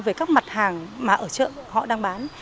về các mặt hàng mà ở chợ họ đang bán